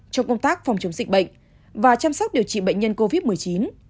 trong công tác phòng chống dịch bệnh và chăm sóc điều trị bệnh nhân covid một mươi chín